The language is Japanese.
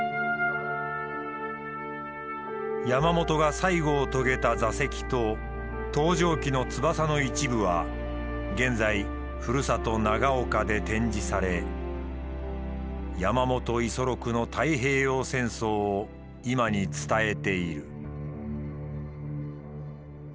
山本が最期を遂げた座席と搭乗機の翼の一部は現在ふるさと長岡で展示され山本五十六の太平洋戦争を今に伝えている。